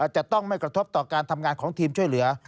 จะต้องไม่กระทบต่อการทำงานของทีมช่วยเหลือ